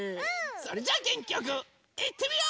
それじゃあげんきよくいってみよう！